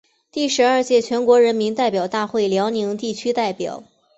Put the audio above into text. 第十二届全国人民代表大会辽宁地区代表。